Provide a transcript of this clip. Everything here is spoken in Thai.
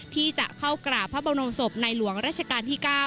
ที่จะเข้ากราบพระบรมศพในหลวงราชการที่๙